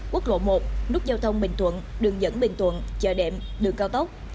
quốc lộ một nút giao thông bình thuận đường dẫn bình thuận chợ đệm đường cao tốc